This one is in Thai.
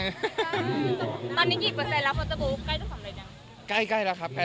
ตอนนี้กี่เปอร์เซ็นต์แล้วภาพพูดใกล้ต้นสำเร็จแล้ว